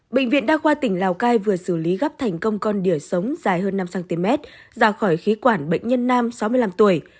bệnh viện đa khoa tỉnh lào cai vừa xử lý gấp thành công con đỉa sống dài hơn năm cm ra khỏi khí quản bệnh nhân nam sáu mươi năm tuổi